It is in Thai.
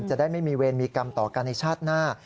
จะได้ไม่มีเวรมีกรรมต่อกันในชาติหน้า